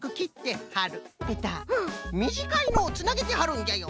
みじかいのをつなげてはるんじゃよ。